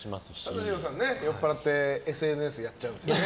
佐藤二朗さん、酔っぱらってＳＮＳやっちゃうんですよね。